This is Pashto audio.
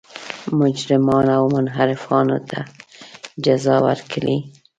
مجرمانو او منحرفانو ته جزا ورکړي.